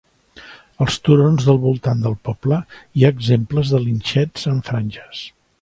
Als turons del voltant del poble hi ha exemples de linxets en franges.